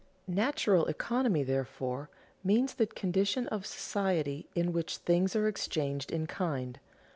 Natural economy, therefore, means that condition of society in which things are exchanged in kind.